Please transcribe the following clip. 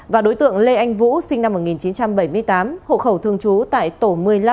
và đối tượng lê anh vũ sinh năm một nghìn chín trăm bảy mươi tám hộ khẩu thường trú tại tổ một mươi năm